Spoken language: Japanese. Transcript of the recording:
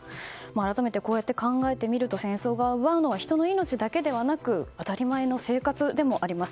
改めて、こうやって考えてみると戦争が奪うのは人の命だけではなく当たり前の生活でもあります。